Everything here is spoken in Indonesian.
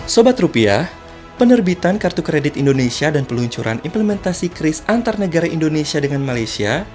sobat rupiah penerbitan kartu kredit indonesia dan peluncuran implementasi kris antar negara indonesia dengan malaysia